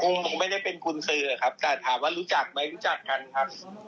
คงไม่ได้เป็นกุญสือครับแต่ถามว่ารู้จักไหมรู้จักกันครับ